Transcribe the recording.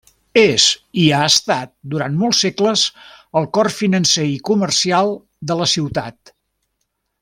És i ha estat durant molts segles el cor financer i comercial de la ciutat.